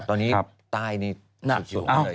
ตอนนี้ใต้นี่อยู่อยู่เลย